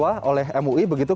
ini juga diatur oleh mui begitu